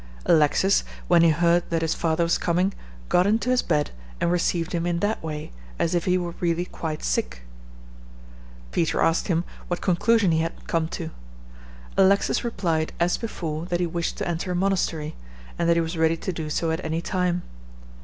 Alexis, when he heard that his father was coming, got into his bed, and received him in that way, as if he were really quite sick. Peter asked him what conclusion he had come to. Alexis replied, as before, that he wished to enter a monastery, and that he was ready to do so at any time.